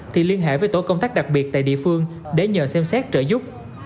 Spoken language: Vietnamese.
thì liên hệ với tổ công tác đặc biệt tại địa phương để nhờ xem xét trợ giúp